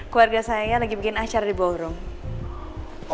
keluarga saya lagi bikin acara di bawah rumah